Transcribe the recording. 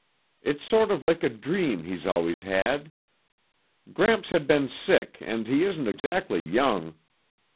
It's sort of like a dream he's always had. Gramps had been sick and he isn't exactly young.